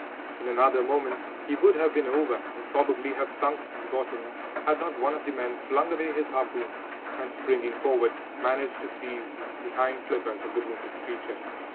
In another moment he would have been over and probably have sunk to the bottom, had not one of the men flung away his harpoon, and, springing forward, managed to seize the hind flippers of the wounded creature.